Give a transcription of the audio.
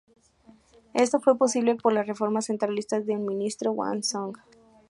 Esto fue posible por las reformas centralistas de su ministro, Guan Zhong.